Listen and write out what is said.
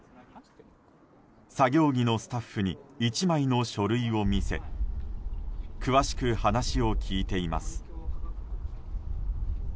作業着のスタッフに１枚の書類を見せ詳しく話を聞いています。